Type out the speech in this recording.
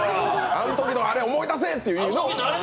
あのときのあれ、思い出せっていう。